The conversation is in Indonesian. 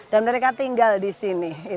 dan mereka tinggal di sini